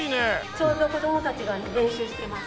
ちょうど子供たちが練習してます。